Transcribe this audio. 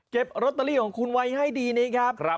เก็บโรตเตอรี่ของคุณวัยให้ดีนี้ครับ